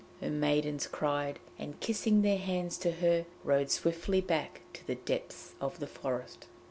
her maidens cried, and kissing their hands to her, rode swiftly back to the depths of the forest.